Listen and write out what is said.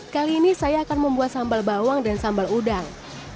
kali ini saya akan membuat sambal bawang dan sambal udang